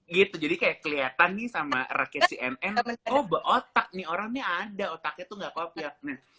gitu jadi kayak kelihatan nih sama rakyat cnn kok otak nih orangnya ada otaknya tuh gak kopiak